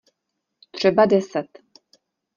Třeba deset.